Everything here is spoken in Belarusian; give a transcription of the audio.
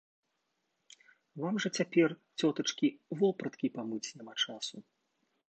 Вам жа цяпер, цётачкі, вопраткі памыць няма часу.